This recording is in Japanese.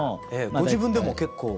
ご自分でも結構。